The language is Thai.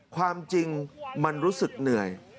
ความจริงมันรู้สึกเหนื่อย